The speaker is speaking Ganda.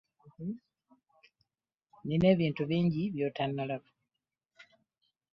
Nina ebintu bingi by'otanalaba.